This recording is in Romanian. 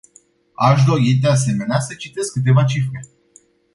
Aș dori, de asemenea, să citez câteva cifre.